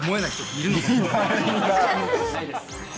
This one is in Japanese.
いないです。